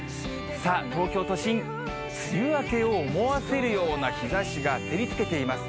さあ、東京都心、梅雨明けを思わせるような日ざしが照りつけています。